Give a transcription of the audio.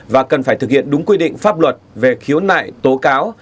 và cần phải thực hiện đúng quy định pháp luật về khiếu nại tố cáo